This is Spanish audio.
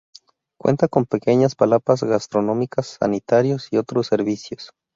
Cuenta con pequeñas palapas gastronómicas, sanitarios y otros servicios.